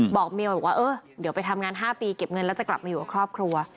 บอกเมียบอกว่าเออเดี๋ยวไปทำงาน๕ปีเก็บเงินแล้วจะกลับมาอยู่กับครอบครัว